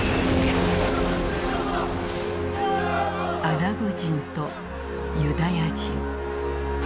アラブ人とユダヤ人。